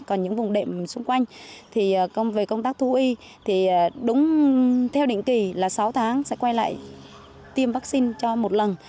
còn những vùng đệm xung quanh thì về công tác thú y thì đúng theo định kỳ là sáu tháng sẽ quay lại tiêm vaccine cho một lần